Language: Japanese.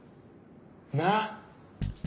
なっ？